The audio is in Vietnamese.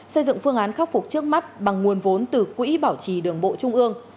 xây dựng phương án khắc phục trước mắt bằng nguồn vốn từ quỹ bảo trì đường bộ trung ương